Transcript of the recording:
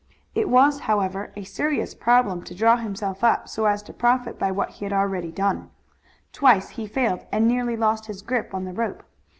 It was, however, a serious problem to draw himself up so as to profit by what he had already done. Twice he failed and nearly lost his grip on the rope.